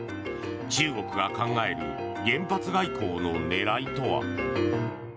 中国が考える原発外交の狙いとは？